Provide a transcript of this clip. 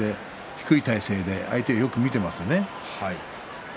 低い体勢で相手をよく見ていました。